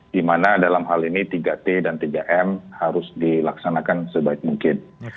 di mana dalam hal ini tiga t dan tiga m harus dilaksanakan sebaik mungkin